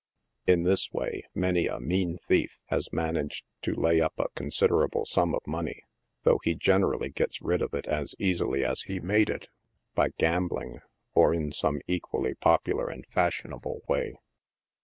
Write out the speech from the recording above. In this way, many a « mean thief" has man aged to lay up a considerable sum of money, though he generally gets rid of it as easily as he made it— by gambling, or in some equally popular and fashionable way.